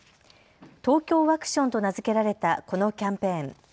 ＴＯＫＹＯワクションと名付けられたこのキャンペーン。